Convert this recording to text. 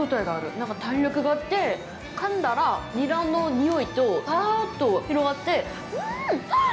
なんか弾力があって、かんだらニラの匂いがパァッと広がって、うん！